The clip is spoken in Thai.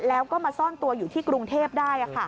แล้วก็มาซ่อนตัวอยู่ที่กรุงเทพได้